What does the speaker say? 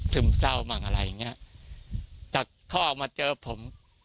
เศร้ามั่งอะไรอย่างเงี้ยแต่เขาออกมาเจอผม